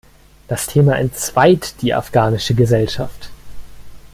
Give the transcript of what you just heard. Das Thema entzweit die afghanische Gesellschaft.